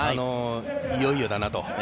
いよいよだなと。